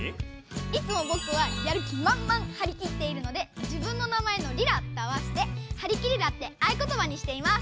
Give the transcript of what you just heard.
いつもぼくはやる気まんまんはりきっているので自分の名前のリラと合わせてはりきリラって合言葉にしています！